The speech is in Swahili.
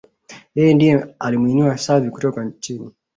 yeye ndiye alimwinua Xavi kutoka chini